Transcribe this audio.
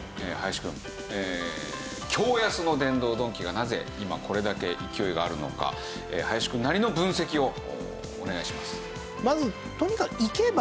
驚安の殿堂ドンキがなぜ今これだけ勢いがあるのか林くんなりの分析をお願いします。